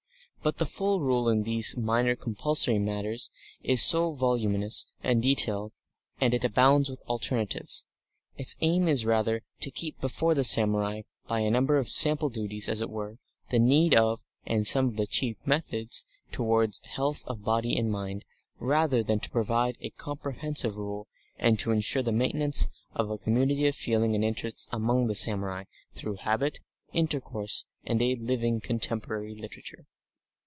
But the full Rule in these minor compulsory matters is voluminous and detailed, and it abounds with alternatives. Its aim is rather to keep before the samurai by a number of sample duties, as it were, the need of, and some of the chief methods towards health of body and mind, rather than to provide a comprehensive rule, and to ensure the maintenance of a community of feeling and interests among the samurai through habit, intercourse, and a living contemporary literature.